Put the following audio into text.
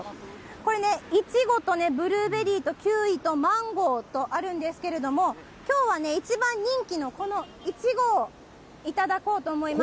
これね、いちごとブルーベリーとキウイとマンゴーとあるんですけれども、きょうはね、一番人気のこのいちごを頂こうと思います。